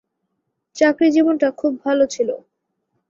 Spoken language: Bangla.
চাকরি জীবনটা খুব ভালো ছিল।